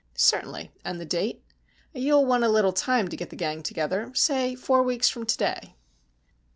"Certainly. And the date?" "You'll want a little time to get the gang together. Say four weeks from to day."